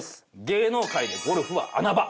芸能界でゴルフは穴場！